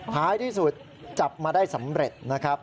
ท้ายที่สุดจับมาได้สำเร็จนะครับ